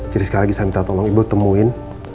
jadi sekali lagi saya minta tolong ibu temuin